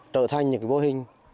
trở thành những mô hình